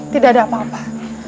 tidak ada apa apa